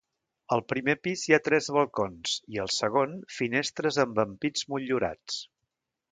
Al primer pis hi ha tres balcons i al segon, finestres amb ampits motllurats.